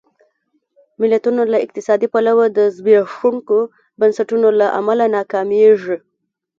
ملتونه له اقتصادي پلوه د زبېښونکو بنسټونو له امله ناکامېږي.